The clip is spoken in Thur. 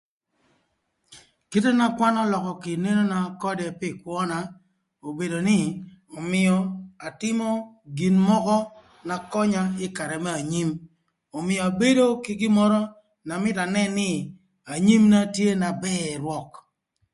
Kite na kwan ölökö kï nenona ködë pï kwöna obedo nï mïö atïmö gin mökö na könya ï karë më anyim, ömïö abedo kï gin mörö na mïtö anën nï anyimna tye na bër rwök